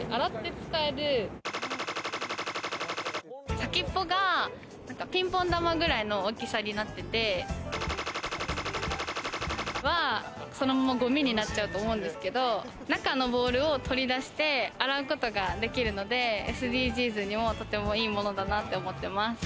先っぽがピンポン球くらいの大きさになってては、そのままゴミになっちゃうと思うんですけど、中のボールを取り出して洗うことができるので、ＳＤＧｓにも、とてもいいものだなと思ってます。